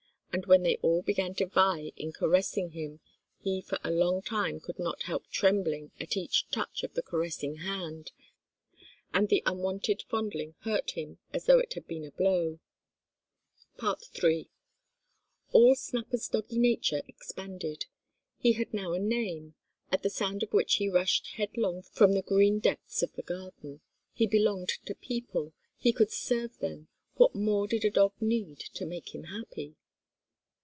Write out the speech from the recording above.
And when they all began to vie in caressing him, he for a long time could not help trembling at each touch of the caressing hand, and the unwonted fondling hurt him as though it had been a blow. Such as is worn by schoolgirls and girl students.—TV.] III All Snapper's doggy nature expanded. He had now a name, at the sound of which he rushed headlong from the green depths of the garden; he belonged to people, and could serve them. What more did a dog need to make him happy!